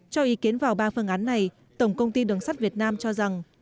cho ý kiến vào ba phương án này tổng công ty đường sắt việt nam cho rằng